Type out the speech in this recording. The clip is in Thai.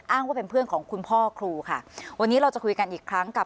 ว่าเป็นเพื่อนของคุณพ่อครูค่ะวันนี้เราจะคุยกันอีกครั้งกับ